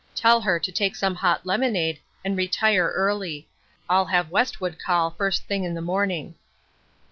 Tell her to take some hot lemonade, and retire early ; I'll have Westwood call the first thing in the morning."